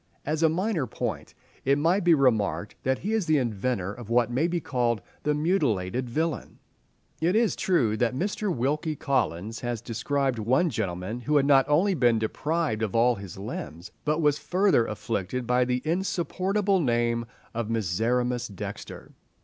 As a minor point, it might be remarked that he is the inventor of what may be called the mutilated villain. It is true that Mr. Wilkie Collins has described one gentleman who had not only been deprived of all his limbs, but was further afflicted by the insupportable name of Miserrimus Dexter.